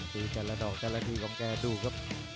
ตีจัดละดอกจัดละทีของแกดูครับ